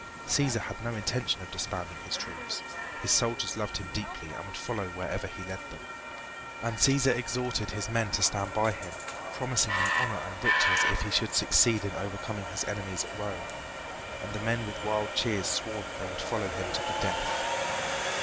Cæsar had no intention of disbanding his troops. His soldiers loved him deeply and would follow wherever he led them. And Cæsar exhorted his men to stand by him, promising them honor and riches if he should succeed in overcoming his enemies at Rome, and the men with wild cheers swore that they would follow him to the death.